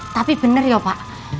tapi bener ya pak